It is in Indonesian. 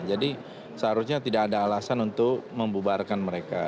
jadi seharusnya tidak ada alasan untuk membubarkan mereka